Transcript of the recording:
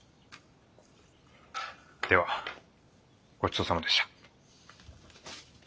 ではごちそうさまでした。